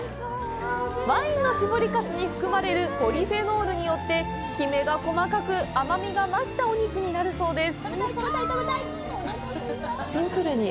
ワインの搾りかすに含まれるポリフェノールによって、キメが細かく、甘みが増したお肉になるそうです。